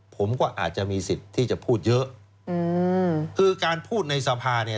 ผมก็อาจจะมีสิทธิ์ที่จะพูดเยอะอืมคือการพูดในสภาเนี่ย